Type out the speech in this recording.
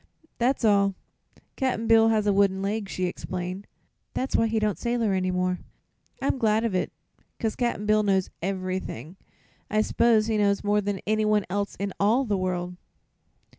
"That's all. Cap'n Bill has one wooden leg," she explained. "That's why he don't sailor any more. I'm glad of it, 'cause Cap'n Bill knows ev'rything. I s'pose he knows more than anyone else in all the world."